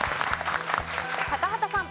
高畑さん。